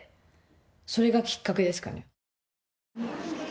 それがきっかけですかね。